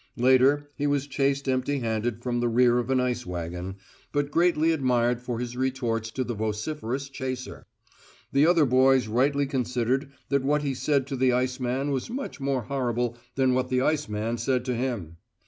Later, he was chased empty handed from the rear of an ice wagon, but greatly admired for his retorts to the vociferous chaser: the other boys rightly considered that what he said to the ice man was much more horrible than what the ice man said to him.